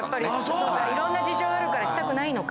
いろんな事情あるからしたくないのか。